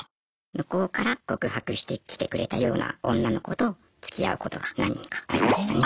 向こうから告白してきてくれたような女の子とつきあうことが何人かありましたね。